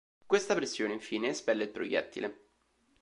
Questa pressione infine espelle il proiettile.